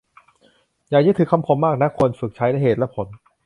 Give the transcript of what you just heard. อย่ายึดถือคำคมมากนัก ควรฝึกใช้เหตุและผล